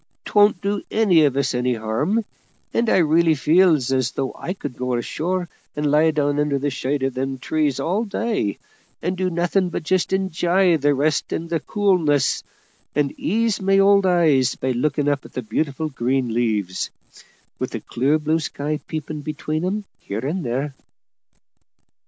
'Twon't do any of us any harm; and I really feels as though I could go ashore and lie down under the shade of them trees all day, and do nothing but just enj'y the rest and the coolness, and ease my old eyes by looking up at the beautiful green leaves, with the clear blue sky peeping between 'em here and there."